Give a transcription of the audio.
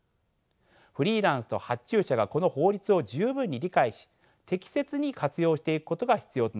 フリーランスと発注者がこの法律を十分に理解し適切に活用していくことが必要となります。